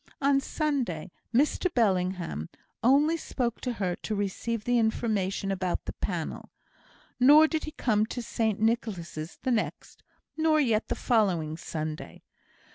On Sunday, Mr Bellingham only spoke to her to receive the information about the panel; nor did he come to St Nicholas' the next, nor yet the following Sunday.